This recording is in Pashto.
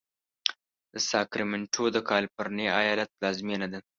ساکرمنټو د کالفرنیا ایالت پلازمېنه ده.